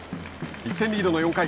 １点リードの４回。